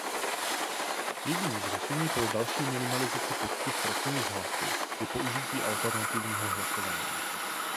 Jedním z řešení pro další minimalizaci počtu ztracených hlasů je použití alternativního hlasování.